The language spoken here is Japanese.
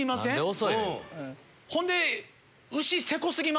ほんで。